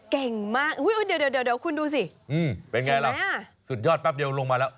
เก่งมากเดี๋ยวคุณดูสิเป็นไงล่ะสุดยอดแป๊บเดียวลงมาแล้ว